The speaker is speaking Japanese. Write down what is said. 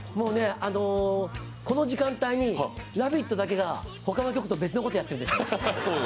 この時間帯に「ラヴィット！」だけが他の局と別のことやってるの。